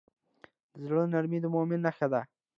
د زړه نرمي د مؤمن نښه ده.